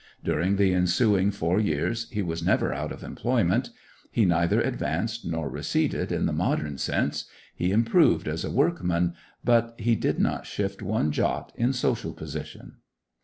During the ensuing four years he was never out of employment. He neither advanced nor receded in the modern sense; he improved as a workman, but he did not shift one jot in social position.